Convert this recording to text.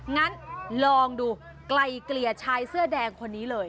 งั้นลองดูไกลเกลี่ยชายเสื้อแดงคนนี้เลย